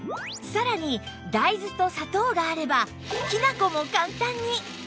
さらに大豆と砂糖があればきな粉も簡単に！